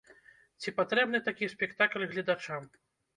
Ці патрэбны такі спектакль гледачам?